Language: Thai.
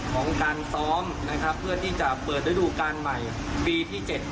ของการซ้อมนะครับเพื่อที่จะดุการใหม่ปีที่เจ็ดของ